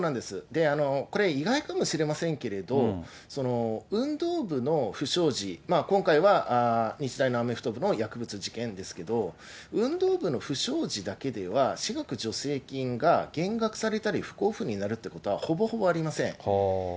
で、これ意外かもしれませんけど、運動部の不祥事、今回は日大のアメフト部の薬物事件ですけど、運動部の不祥事だけでは、私学助成金が減額されたり不交付になるということは、ほぼほぼありません。